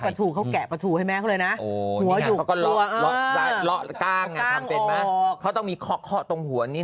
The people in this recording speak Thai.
ประถูเขาแกะประถูให้แม่เขาเลยนะเขาต้องมีข้อข้อตรงหัวนิด